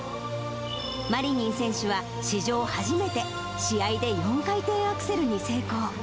マリニン選手は史上初めて、試合で４回転アクセルに成功。